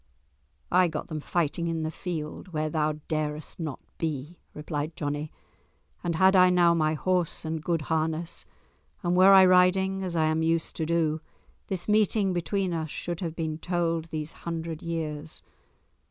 "I got them fighting in the field where thou darest not be," replied Johnie. "And had I now my horse and good harness, and were I riding as I am used to do, this meeting between us should have been told these hundred years.